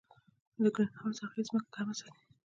د ګرین هاوس اغېز ځمکه ګرمه ساتي.